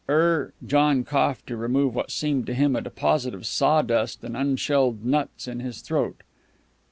"Er " John coughed to remove what seemed to him a deposit of sawdust and unshelled nuts in his throat.